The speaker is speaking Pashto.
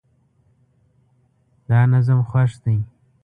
دا نظم خوښ دی